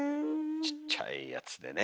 ちっちゃいやつでね。